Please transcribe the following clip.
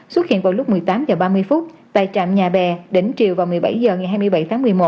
xuất hiện vào lúc một mươi tám h ba mươi tại trạm nhà bè đỉnh chiều vào một mươi bảy h hai mươi bảy một mươi một